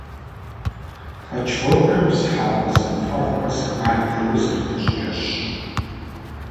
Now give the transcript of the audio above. Пэчворкыр бзыхьэхуэ зэмыфэгъухэр зэгуадэурэ зэрыдэ щӏыкӏэщ.